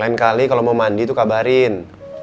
lain kali kalo mau mandi tuh kabarin